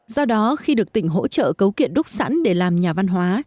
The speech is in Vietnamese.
do đó khi được tỉnh hỗ trợ cấu kiện đúc sẵn để làm nhà văn hóa